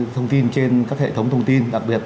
thông tin trên các hệ thống thông tin đặc biệt